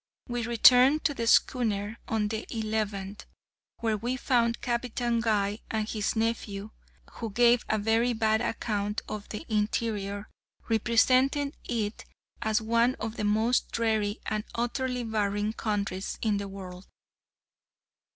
We returned to the schooner on the eleventh, where we found Captain Guy and his nephew, who gave a very bad account of the interior, representing it as one of the most dreary and utterly barren countries in the world.